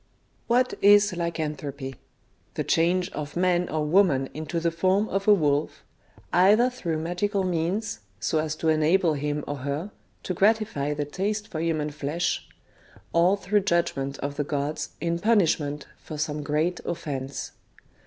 What is Lycanthropy ? The change of man or woman into the form of a wolf, either through magical means, so as to enable him or her to gratify the taste for human flesh, or through judgment of the gods in punishment for some great offence.